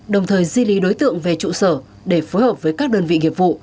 đồng thời di lý đối tượng về trụ sở để phối hợp với các đơn vị nghiệp vụ